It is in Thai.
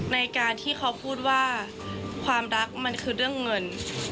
ในการที่เขาพูดว่าความรักมันคือเรื่องเงิน